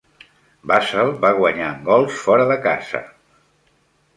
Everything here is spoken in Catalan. Basel va guanyar en gols fora de casa.